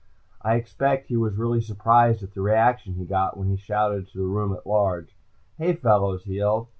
I expect he was really surprised at the reaction he got when he shouted out to the room at large. "Hey, fellows," he yelled.